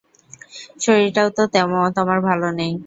শরীরটাও তো তোমার ভালো নেই।